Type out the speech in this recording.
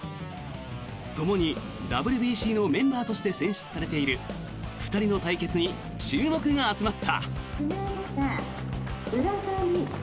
ともにＷＢＣのメンバーとして選出されている２人の対決に注目が集まった。